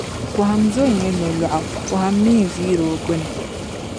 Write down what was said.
Pɔhim zo nyɛ nolɔɣu, pɔhim mi n-viiri o gbinni.